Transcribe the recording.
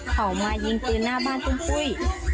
เขามายิงปืนหน้าบ้านปุ้ย